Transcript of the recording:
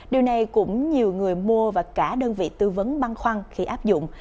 điều này cũng nhiều người mua và cả đơn vị tư vấn băn khoăn khi áp dụng